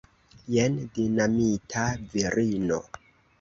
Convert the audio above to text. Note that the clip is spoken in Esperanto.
Jen dinamita virino!